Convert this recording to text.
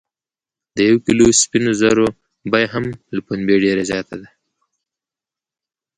د یو کیلو سپینو زرو بیه هم له پنبې ډیره زیاته ده.